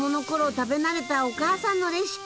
食べ慣れたお母さんのレシピ。